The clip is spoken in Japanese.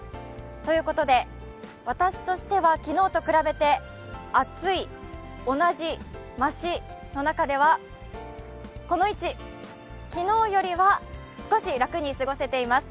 ということで私としては昨日と比べて、暑い、同じ、マシの中ではこの位置、昨日よりは少し楽に過ごせています。